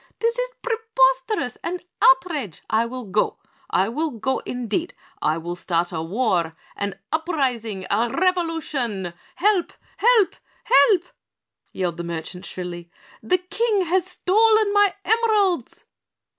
This is preposterous! An outrage! I will go! I will go indeed. I will start a war, an uprising a revolution! Help! help! help!" yelled the merchant shrilly. "The King has stolen my emeralds."